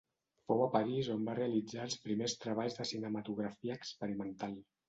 Fou a París on va realitzar els primers treballs de cinematografia experimental.